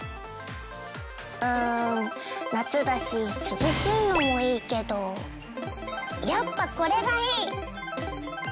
うん夏だし涼しいのもいいけどやっぱこれがいい！